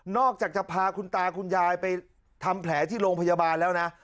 อกจากจะพาคุณตาคุณยายไปทำแผลที่โรงพยาบาลแล้วนะ